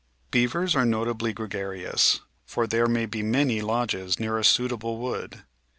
Beavers are notably gregarious, for there may be many lodges near a suitable wood.